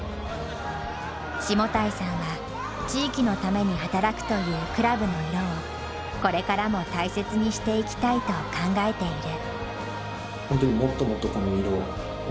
下平さんは地域のために働くというクラブの色をこれからも大切にしていきたいと考えている。